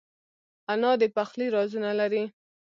انا د پخلي رازونه لري